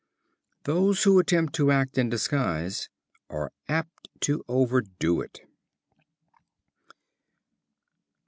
Those who attempt to act in disguise are apt to overdo it.